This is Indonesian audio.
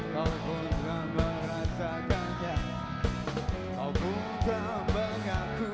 kau pernah merasakannya